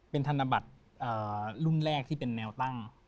เป็นธนบัตรรุ่นแรกที่เป็นแนวตั้ง